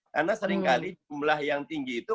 karena seringkali jumlah yang tinggi itu